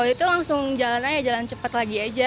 kalau itu langsung jalan aja jalan cepet lagi aja